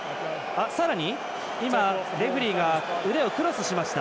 さらにレフリーが腕をクロスしました。